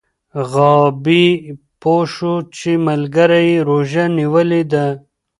غابي پوه شو چې ملګری یې روژه نیولې ده.